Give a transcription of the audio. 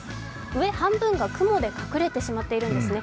上半分が雲で隠れてしまっているんですね。